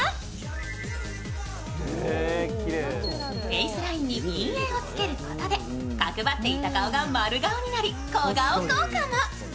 フェースラインに陰影をつけることで角張っていた顔が丸顔になり小顔効果も。